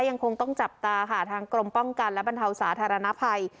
ยังคงต้องจับตาค่ะทางกรมป้องกันและบรรเทาสาธารณภัย